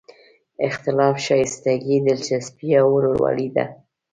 اختلاف ښایستګي، دلچسپي او ورورولي ده.